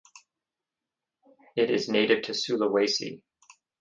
It is native to Sulawesi.